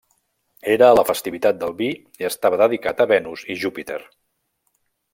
Era la festivitat del vi i estava dedicat a Venus i Júpiter.